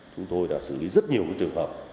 chúng tôi đã xử lý rất nhiều trường hợp